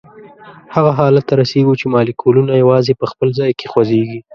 هغه حالت ته رسیږو چې مالیکولونه یوازي په خپل ځای کې خوځیږي.